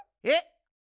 えっ？